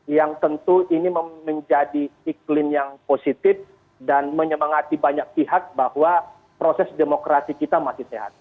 yang tentu ini menjadi iklim yang positif dan menyemangati banyak pihak bahwa proses demokrasi kita masih sehat